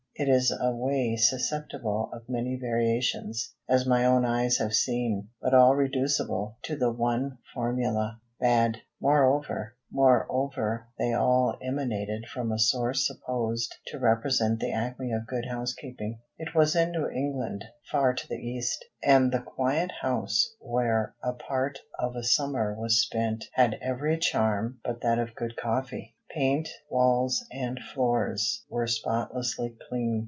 It is a way susceptible of many variations, as my own eyes have seen, but all reducible to the one formula, bad. Moreover, they all emanated from a source supposed to represent the acme of good housekeeping. It was in New England, far to the east, and the quiet house where a part of a summer was spent had every charm but that of good coffee. Paint, walls, and floors were spotlessly clean.